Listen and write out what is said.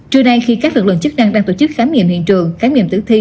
trưa nay khi các lực lượng chức năng đang tổ chức khám nghiệm hiện trường khám nghiệm tử thi